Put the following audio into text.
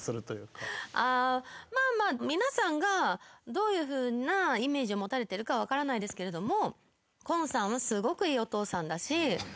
どういうふうなイメージを持たれてるか分からないですけれども。